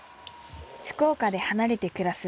福岡で離れて暮らす